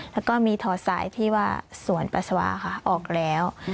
แล้วก็มีถอดสายที่ว่าสวนปัสสาวะค่ะออกแล้ว